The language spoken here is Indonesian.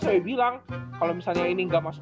sampe bilang kalau misalnya ini gak masuk